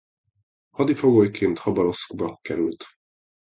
Hadifogolyként Habarovszkba került.